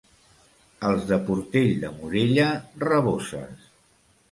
Els de Portell de Morella, raboses.